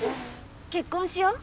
結婚しよう。